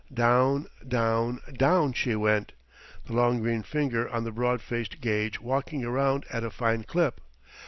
Down, down, down she went the long green finger on the broad faced gauge walking around at a fine clip.